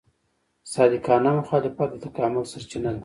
صادقانه مخالفت د تکامل سرچینه ده.